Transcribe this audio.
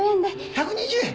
１２０円？